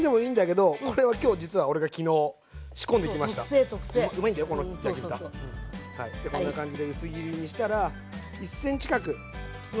こんな感じで薄切りにしたら１ｃｍ角の。